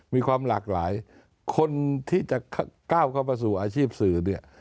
มีความหลากหลายคนที่จะก้าวเข้ามาสู่อาชีพสื่อเนี่ย